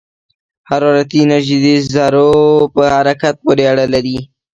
حرارتي انرژي د ذرّو په حرکت پورې اړه لري.